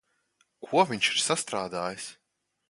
Ko viņš ir sastrādājis?